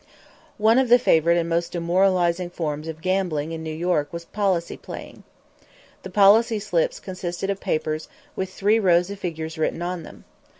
One of the favorite and most demoralizing forms of gambling in New York was policy playing. The policy slips consisted of papers with three rows of figures written on them.